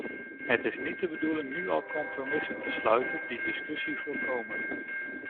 Het is niet de bedoeling nu al compromissen te sluiten die discussie voorkomen.